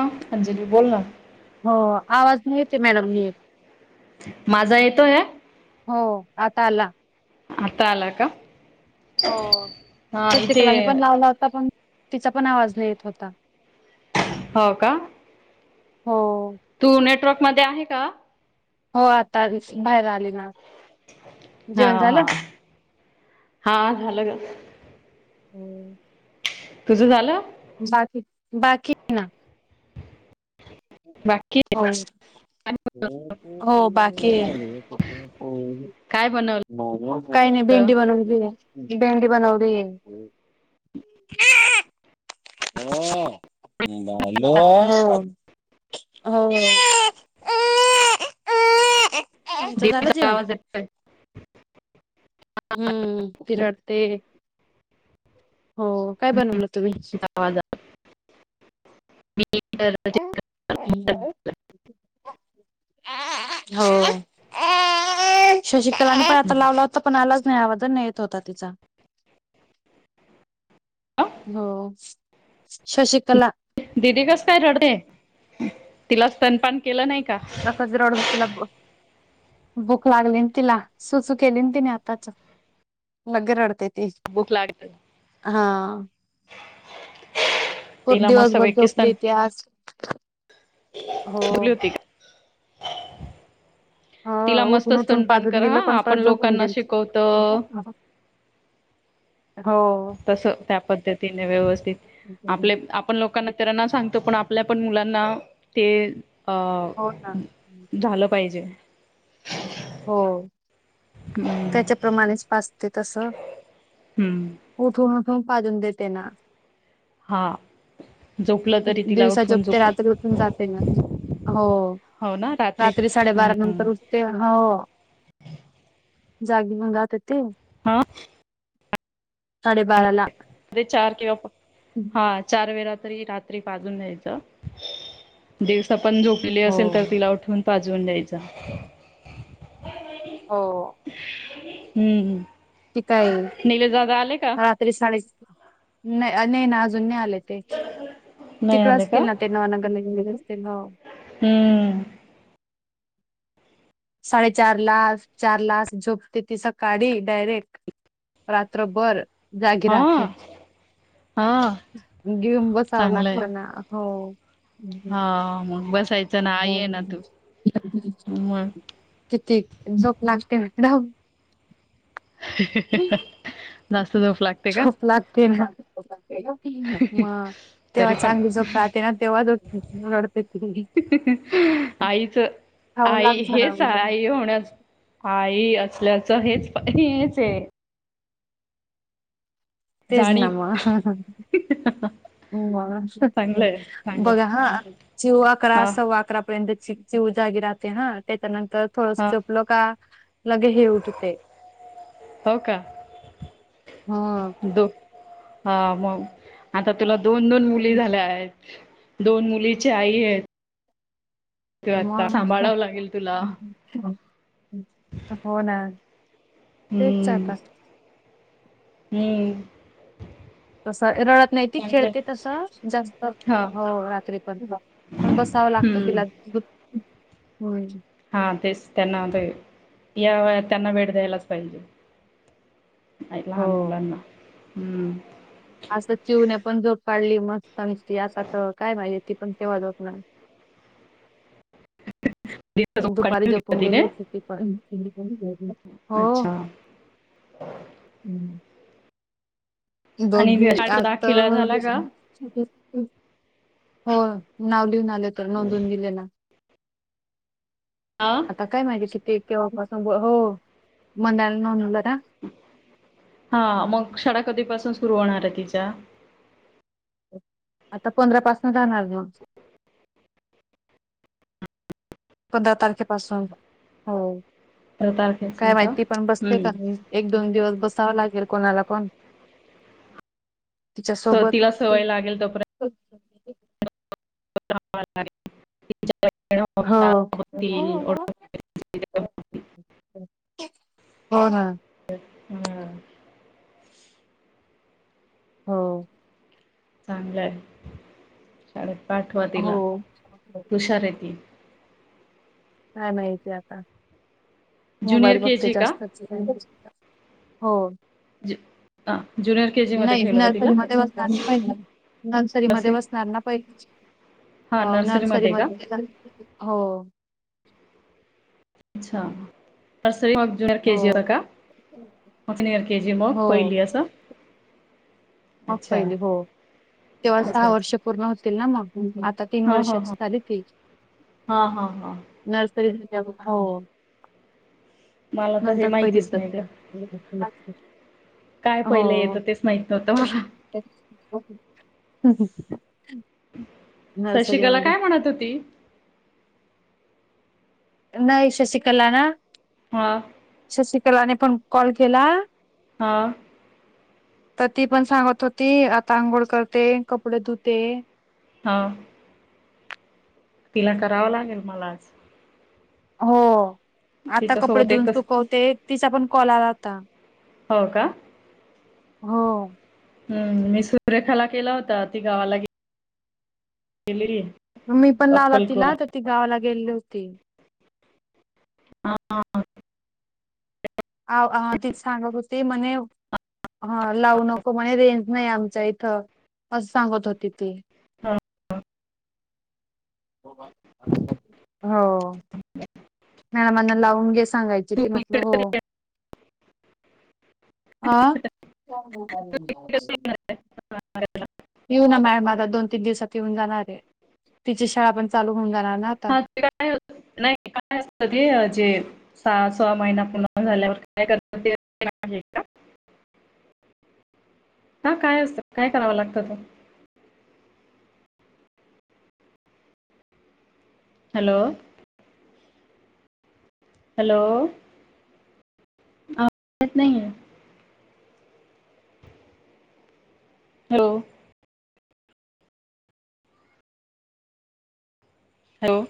हा अंजली बोल ना [inaudible] हो आवाज नाही येत ती मॅडम घेत [inaudible] माझा येतो या हो आता आला आता आला का? हो हा ते इथे चिकलाने पण लावला होता. पण, तिचा पण आवाज न येत होता [inaudible] हो का? हो. तू ने ट्रक मध्ये आहे का? हो आता बाहेर आ [unintelligible] हा हा हा झालं. [inaudible] तुझं झालं? झाली बाकी बाकी हे ना. बाकी आहे. हो हो [inaudible] बाकी [unintelligible] काय बनवलं काय नाही भेंडी बनवून ठेवले भेंडी बनवली ये. [unintelligible] [unintelligible] [inaudible] हो. [unintelligible] झालं देवीचा [inaudible] जेवण आवाज येतोय हम्म. ती रडते. हो काय बनवलं तुम्ही? [inaudible] [unintelligible] [inaudible] हो, शशिकला नी [unintelligible] आता लावला होता पण आलाच नाही आवाज नाही येत होता तिचा. हो. शशिकला दिदी कस काय रडते? तिला स्तनपान केलं नाही का [unintelligible] रडवतिला ब भूक लागली तिला सुसू केली तिने आताच लगे रडते भूक लागते हा खूप तिला मस्त दिवसभर पैकी स्तन झोपली ती आज. हो. रिकामा ऑडिओ ह तिला मस्त उठून उठून स्तनपान पाजून कर हा, दिलं पण आपण परत झोपून लोकांना गेली शिकवतो. हो तस त्या पद्धतीने व्यवस्थित आपले आपण लोकांना इतरांना सांगतो पण आपल्या पण मुलांना ते हाव. हो ना झालं पाहिजे. हो. हम्म त्याच्या प्रमाणेच पाजते तसं. हम्म उठून.. हो पाजून देते ना. हां. दिवसा झोपते रात्री उठून जगते ना. हो. हो ना रात्री साडेबारा हम्म नंतर उठते जागी भंगा ते तेे. अ साडे बाराला. ते चार किंवा पाच. हा, चार वेळा तर हे रात्री पाजून द्यायचं. जिरं पण झोपलेली हो असेल तर तिला उठून.. पाजवून द्यायचा. हो. हम्म हम्. ती काय? रात्री साडे नाही. नाही ना, अजून नाही आले. तेच. नाही तिकडं आले का असतील ना! नवं नगर [unintelligible] ते भाव. हम्म साडेचारला. चारला असं, झोपते ती सकाळी. डायरेक्ट. रात्रभर.. जागी हा राहते. हा घेऊन बसावं चांगलंय लागत ना. हो. हा मग बस. हं हं. मग किती? झोप लागते ना. राहू. जास्त झोप लागते का झोप लागते ना. म. तेवा तरी पण चांगली झोप राहते ना, तेव्हाच उठते. रडते. रिकामा ऑडिओ आईच लाग आई हेच आई होण्यास आई असल्यास हेच हेच आहे तेच ना जाणीव मग चांगलंय चांगलं बघा हा जिव अकरा हा सव्वा अकरा पर्यंत चिऊ जागी राहते हा त्याच्या नं तर थोडस हा झोपलो का लगे ही उठते हो का हा दो हा मग आता तुला दोन दोन मुली झाल्या आहेत दोन मुलीची आई आहेस तू आता मग सांभाळावं लागेल तुला हो ना तेच हम्म आता हम्म तस रडत नाहीती चांगलंय खेळते तस जास्त हा हो रात्री प पण बसावं लागतं हम्म तिला दु हम हा तेच त्यांना ते ह्या वयात त्यांना वेळ द्यायलाच पाहिजे लहान मुलांना हम्म असं चिवने पण झोप काढली मग सावित्री आता त काय माहित ती पण तेव्हा जात नाय दुपारी झोपून गेले तिने होती ती पण हो अच्छा आणि दोघी शाळेचा आता दाखिला झाला का हो नाव लिहून त्यात नोंदवून दिलेला हा आता काय माहिती किती कव्हापसून बो हो म्हनायल ना हा मग शाळा कधीपासून सुरु सुर होणार आहे तिच्या आता पंधरा पासन जाणार म पंधरा तारखे पासून हो तर काय तारखेपासून माहित का ती पण बसते हम्म का नाही एक दोन दिवस बस जावं लागेल कोणाला पण तिच्या स सोबत तिला सवय लागेल तोपर्यंत. [inaudible] [unintelligible] ह. होतील ओळखतील हो ना. हम्म. हो. चांगलं आहे शाळेत पाठवा तिला हो हूषार ये ती काय माहिती आता. मोबाईल ज्युनियर के बघते जी का जास्तच हो. ज ह [inaudible] नाही नर्सरीमध्ये बसणार ना पहीले, नर्सरीमध्ये नसेल बसणार ना पहिले हा हो का नर्सरीमध्ये हो. अच्छा. म ज्युनिअर हो केजी ला का? ज्युनिअर के जी मग हो पहिली असं. मग अच्छा पहिली हो तेव्हा अच्छा सहा वर्ष अच्छा पूर्ण हो तील ना मग. आता तीन हा हा हा वर्षाची झाली ती. हा हा हा नर्स [unintelligible] हो. मला तर हे नंतर पहिलीत माहितीच नाही ग बसेल. काय पहिलं येतं हो. तेच माहित नव्हत. तरम [unintelligible] [inaudible] शशिकला नर्सरीमध्ये काय म्हणत होती. नाही शशिकला ना म. शिकलाने पण कॉल केला ह. त ती पण सांगत होती आता आंघोळ करते कपडे धुते ह. तिला करावं लागेल मला आज. हो. आता कपडे तिच्यासोबत धुन एकच सुकवते तिचा पण कॉल आला होता. हो का?. हो. हम्म मी सुररेखाला केला होता ती गावाला गे मी पण लावला तिला अक्कलकोला तर ती गावाला गेले होती हा तीच सांगत होती म्हणे ह लावू नको म्हणे रेंज नाही आमच्या इथं असं सांगत होती ती हां हां [inaudible] हो ह [unintelligible] मॅडमाना लाऊन सांगायचे ते म्हटल हो आ [unintelligible] येऊ ना मॅम आता दोन तीन दिवसात येऊन जाणार आहे तिची शाळा पण चालू होऊन जाणार ना आता हा ते काय नाही काय असत ते णे सहा स महिना पूर्ण झाल्यावर काय हा काय असत काय कराव लागत त हॅलो हॅलो नाही हो हॅलो